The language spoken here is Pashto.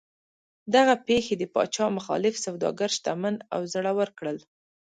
دغې پېښې د پاچا مخالف سوداګر شتمن او زړور کړل.